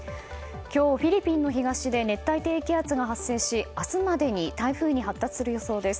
今日、フィリピンの東で熱帯低気圧が発生し明日までに台風に発達する予想です。